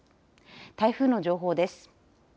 台風の情報です。